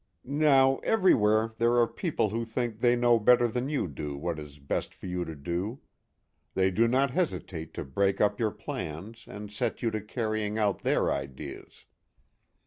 Now, everywhere there are people who think they know better than you do what is best for you to do. They do not hesitate to break up your plans and set you to carrying out their ideas.